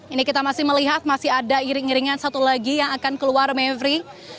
ini kita masih melihat masih ada iring iringan satu lagi yang akan keluar mevri